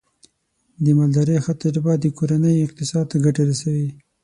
د مالدارۍ ښه تجربه د کورنۍ اقتصاد ته ګټه رسوي.